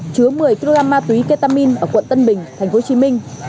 chứa một mươi kg ma túy ketamin ở quận tân bình tp hcm